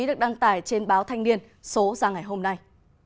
được đăng tải trên báo thanh niên số ra ngày hôm nay